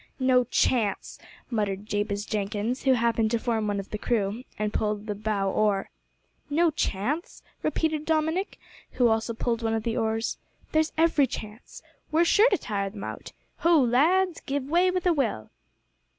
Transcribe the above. "No chance?" muttered Jabez Jenkins, who happened to form one of the crew and pulled the bow oar. "No chance?" repeated Dominick, who also pulled one of the oars. "There's every chance. We're sure to tire them out. Ho! lads, give way with a will!"